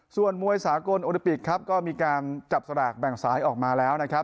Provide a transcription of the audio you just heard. ส่วนมวยสาโกนโอลิมปิกก็มีการจับสลากแบ่งสายออกมาแล้ว